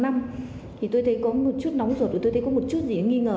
thì tôi thấy có một chút nóng rột tôi thấy có một chút gì nghi ngờ